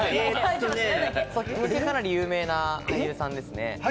かなり有名な俳優さんですね。